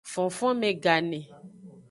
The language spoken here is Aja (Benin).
Fonfonme gane.